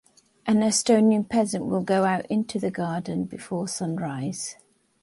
An Estonian peasant will go out into the garden before sunrise.